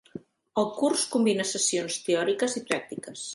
El curs combina sessions teòriques i pràctiques.